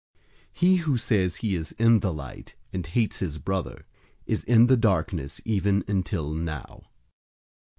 002:009 He who says he is in the light and hates his brother, is in the darkness even until now.